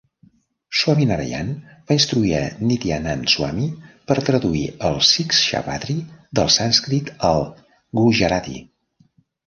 Swaminarayan va instruir a Nityanand Swami per traduir el Shikshapatri del sànscrit al gujarati.